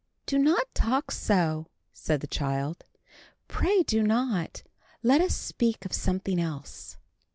"Do not talk so," said the child. "Pray do not. Let us speak of something else."